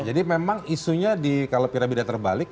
jadi memang isunya di kalau piramida terbalik